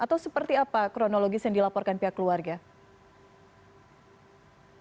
atau seperti apa kronologis yang dilaporkan pihak keluarga